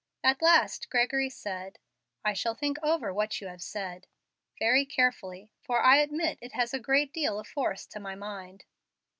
At last Gregory said, "I shall think over what you have said, very carefully, for I admit it has a great deal of force to my mind."